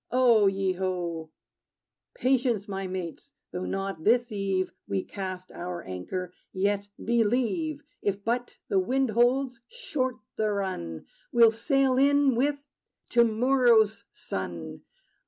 O ye ho! Patience, my mates! Though not this eve We cast our anchor, yet believe, If but the wind holds, short the run: We 'll sail in with to morrow's sun.